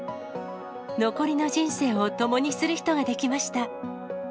残りの人生を共にする人ができました。